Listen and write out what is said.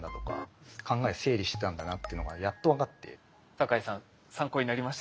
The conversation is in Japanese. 坂井さん参考になりました？